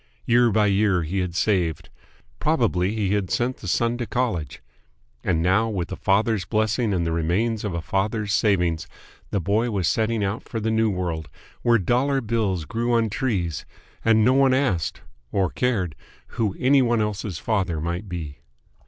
Year by year he had saved. Probably he had sent the son to college. And now, with a father's blessing and the remains of a father's savings, the boy was setting out for the New World, where dollar bills grew on trees and no one asked or cared who any one else's father might be.